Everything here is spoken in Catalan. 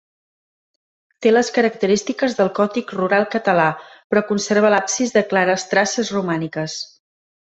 Té les característiques del gòtic rural català, però conserva l'absis de clares traces romàniques.